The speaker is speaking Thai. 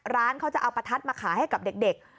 ร้านเขาจะเอาประทัดมาขายให้กับเด็ก